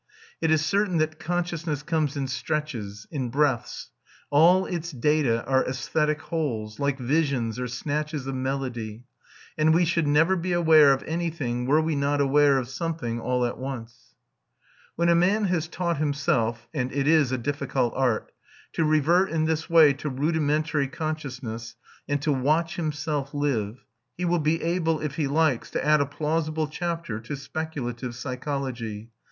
It is certain that consciousness comes in stretches, in breaths: all its data are æsthetic wholes, like visions or snatches of melody; and we should never be aware of anything were we not aware of something all at once. When a man has taught himself and it is a difficult art to revert in this way to rudimentary consciousness and to watch himself live, he will be able, if he likes, to add a plausible chapter to speculative psychology.